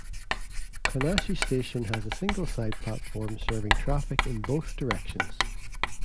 Konashi Station has a single side platform serving traffic in both directions.